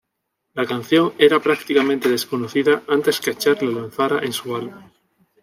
La canción era prácticamente desconocida antes que Cher la lanzara en su álbum.